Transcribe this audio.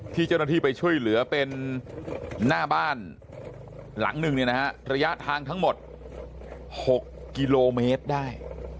ที่เจ้าหน้าที่ไปช่วยเหลือเป็นหน้าบ้านหลังหนึ่งระยะทางทั้งหมด๖กิโลเมตรได้